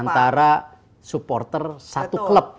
antara supporter satu klub